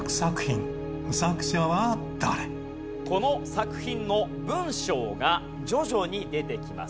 この作品の文章が徐々に出てきます。